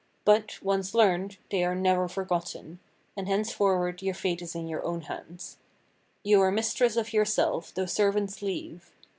But, once learned, they are never forgotten, and henceforward your fate is in your own hands. You are mistress of yourself, though servants leave.